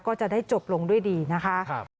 ก็จะได้จบลงด้วยดีนะคะ